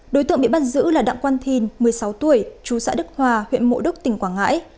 đối tượng bị bắt giữ là đặng quang thin một mươi sáu tuổi chú xã đức hòa huyện mộ đức tỉnh quảng ngãi